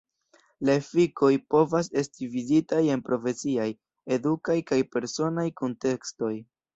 La efikoj povas esti viditaj en profesiaj, edukaj kaj personaj kuntekstoj.